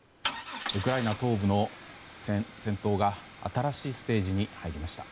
ウクライナ東部の戦闘が新しいステージに入りました。